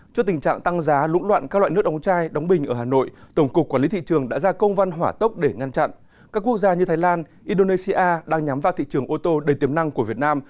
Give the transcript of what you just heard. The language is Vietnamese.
các quốc gia như thái lan indonesia đang nhắm vào thị trường ô tô đầy tiềm năng của việt nam